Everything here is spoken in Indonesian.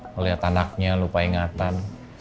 melihat anaknya lupa ingatan